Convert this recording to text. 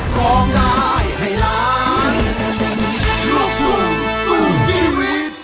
สวัสดีครับ